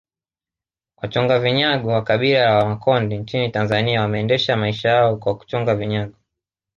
Wachonga vinyago wa kabila la Wamakonde nchini Tanzania wanaendesha maisha yao kwa kuchonga vinyago